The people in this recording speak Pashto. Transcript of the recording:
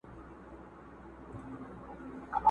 لکه لېوه یې نه ګورې چاته!.